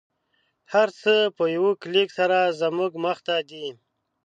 هر څه په یوه کلیک سره زموږ مخته دی